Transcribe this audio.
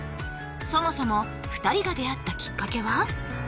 そもそも２人が出会ったきっかけは？